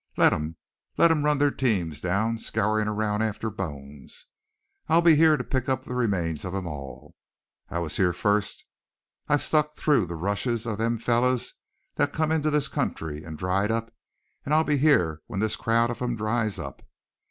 Let 'em let 'em run their teams down scourin' around after bones I'll be here to pick up the remains of 'em all. I was here first, I've stuck through the rushes of them fellers that's come into this country and dried up, and I'll be here when this crowd of 'em dries up.